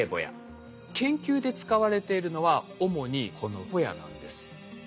研究で使われているのは主にこのホヤなんです。